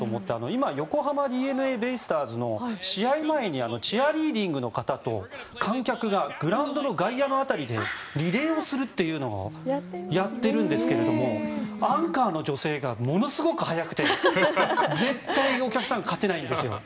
今、横浜ＤｅＮＡベイスターズの試合の前にチアリーディングの方と観客がグラウンドの外野の辺りでリレーをするというのをやってるんですけどアンカーの女性がものすごく速くて絶対お客さん勝てないんですよ。